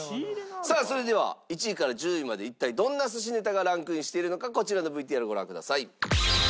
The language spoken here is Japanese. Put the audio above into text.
さあそれでは１位から１０位まで一体どんな寿司ネタがランクインしているのかこちらのＶＴＲをご覧ください。